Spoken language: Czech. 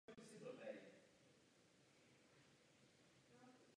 My samozřejmě chápeme a respektujeme specifický charakter sportu.